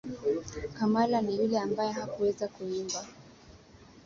Kamala ni yule ambaye hakuweza kuimba.